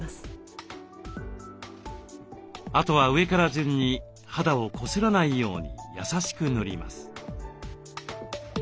あとは上から順に肌をこすらないように優しく塗ります。